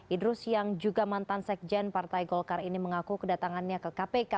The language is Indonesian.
idrus yang juga mantan sekjen partai golkar ini mengaku kedatangannya ke kpk